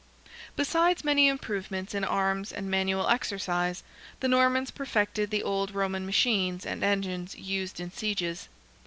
Besides many improvements in arms and manual exercise, the Normans perfected the old Roman machines and engines used in sieges.